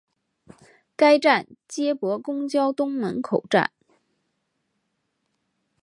该站接驳公交东门口站。